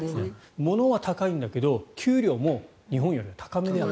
物は高いんだけど給料も日本よりは高い。